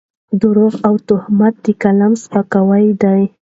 درواغ او تهمت د قلم سپکاوی دی.